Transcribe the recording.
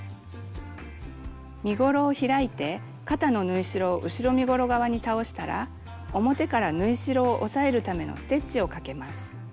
身ごろを開いて肩の縫い代を後ろ身ごろ側に倒したら表から縫い代を押さえるためのステッチをかけます。